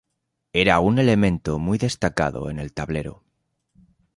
Era un elemento muy destacado en el tablero.